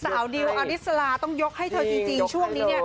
ดิวอริสลาต้องยกให้เธอจริงช่วงนี้เนี่ย